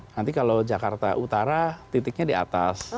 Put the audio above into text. nanti kalau jakarta utara titiknya di atas